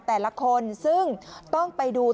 แต่ละคนซึ่งต้องไปดู